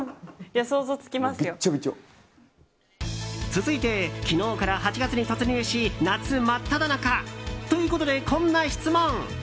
続いて、昨日から８月に突入し夏真っただ中。ということで、こんな質問。